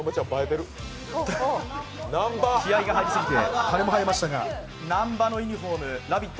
気合いが入りすぎてｎａｍｂａのユニフォーム「ラヴィット！」